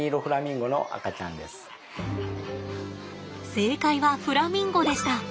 正解はフラミンゴでした！